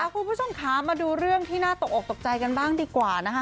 คุณผู้ชมคะมาดูเรื่องที่น่าตกออกตกใจกันบ้างดีกว่านะคะ